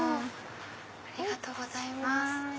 ありがとうございます。